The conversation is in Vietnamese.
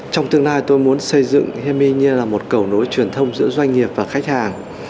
trong tương lai tôi muốn xây dựng heamine là một cầu nối truyền thông giữa doanh nghiệp và khách hàng